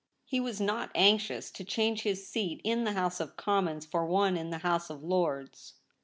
He was not anxious to change his seat in the House of Commons for one in the House of Lords.